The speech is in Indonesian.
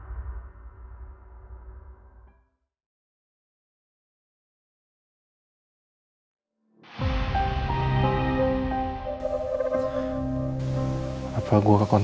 tante mau pulang